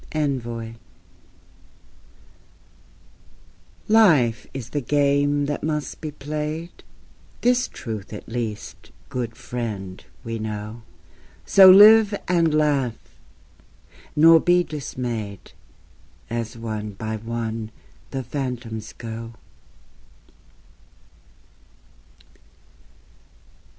ENVOY Life is the game that must be played: This truth at least, good friend, we know; So live and laugh, nor be dismayed As one by one the phantoms go.